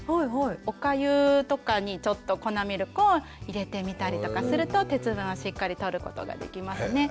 おかゆとかにちょっと粉ミルクを入れてみたりとかすると鉄分をしっかりとることができますね。